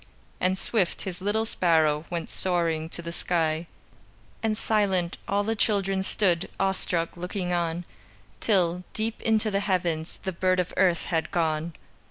And swift, His little sparrow Went soaring to the sky, And silent, all the children Stood, awestruck, looking on, Till, deep into the heavens, The bird of earth had gone.